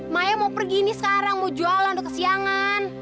maya mau pergi ini sekarang mau jualan udah kesiangan